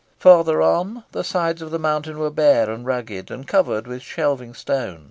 Further on, the sides of the mountain were bare and rugged, and covered with shelving stone.